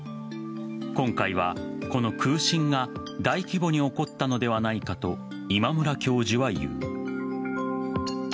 今回はこの空振が大規模に起こったのではないかと今村教授は言う。